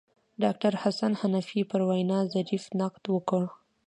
ډاکتر حسن حنفي پر وینا ظریف نقد وکړ.